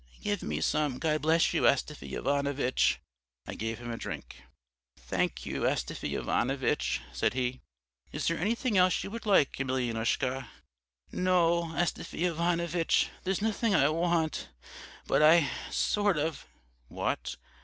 "'Give me some, God bless you, Astafy Ivanovitch.' "I gave him a drink. "'Thank you, Astafy Ivanovitch,' said he. "'Is there anything else you would like, Emelyanoushka?' "'No, Astafy Ivanovitch, there's nothing I want, but I sort of ' "'What?'